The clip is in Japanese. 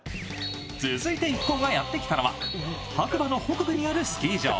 続いて一行がやってきたのは白馬の北部にあるスキー場。